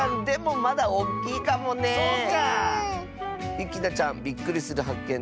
ゆきなちゃんびっくりするはっけん